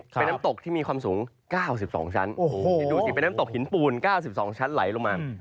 เป็นน้ำตกที่มีความสูง๙๒ชั้นดูสิเป็นน้ำตกหินปูน๙๒ชั้นไหลลงมา